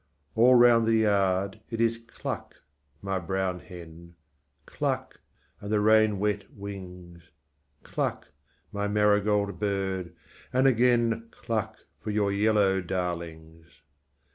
All round the yard it is cluck, my brown hen, Cluck, and the rain wet wings, Cluck, my marigold bird, and again Cluck for your yellow darlings.